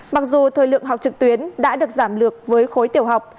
mặc dù thời lượng học trực tuyến đã được giảm lược với khối tiểu học